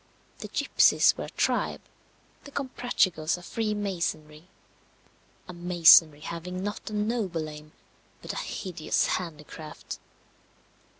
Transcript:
The gipsies were a tribe; the Comprachicos a freemasonry a masonry having not a noble aim, but a hideous handicraft.